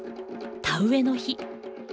田植えの日。